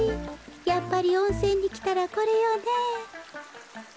やっぱりおんせんにきたらこれよね。